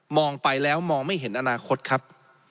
ไปแล้วมองไม่เห็นอนาคตครับ